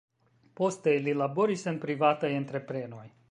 Poste li laboris en privataj entreprenoj.